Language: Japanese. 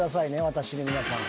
私に皆さん。